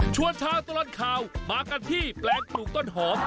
ชาวตลอดข่าวมากันที่แปลงปลูกต้นหอม